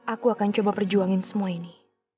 aku akan coba perjuangin semua ini